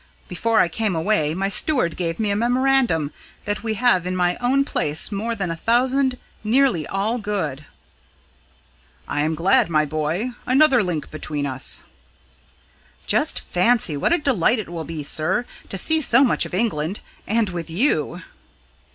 Before I came away, my steward gave me a memorandum that we have in my own place more than a thousand, nearly all good." "I am glad, my boy. Another link between us." "Just fancy what a delight it will be, sir, to see so much of England and with you!"